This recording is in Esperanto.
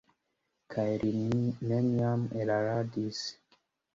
Kaj li neniam eraradis.